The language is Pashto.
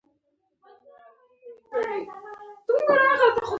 نوی پوهاند ټولنه بدلولی شي